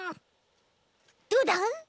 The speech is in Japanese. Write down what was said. どうだ！？